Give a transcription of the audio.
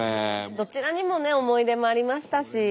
どちらにもね思い出もありましたし。